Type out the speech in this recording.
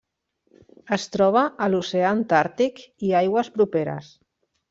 Es troba a l'Oceà Antàrtic i aigües properes.